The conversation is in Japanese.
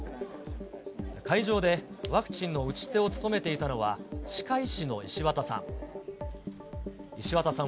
会場でワクチンの打ち手を務めていたのは、歯科医師の石渡さん。